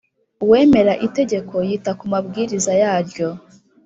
Uwemera itegeko yita ku mabwiriza yaryo,